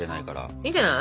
いいんじゃない。